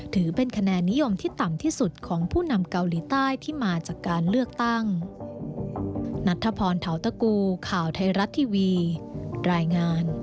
ถือเป็นคะแนนนิยมที่ต่ำที่สุดของผู้นำเกาหลีใต้ที่มาจากการเลือกตั้ง